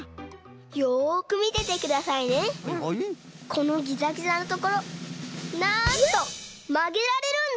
このギザギザのところなんとまげられるんです！